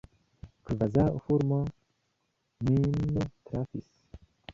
Kvazaŭ fulmo min trafis.